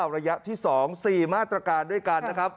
ระยะที่๒๔มาตรการด้วยกัน